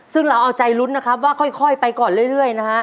ซึ่งเราเอาใจรุ้นว่าค่อยไปก่อนเรื่อย